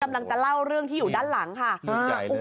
กำลังจะเล่าเรื่องที่อยู่ด้านหลังค่ะ